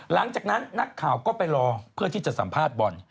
หลังจากนั้นนักข่าวก็ไปรอเพื่อที่จะสัมภาษณ์บอล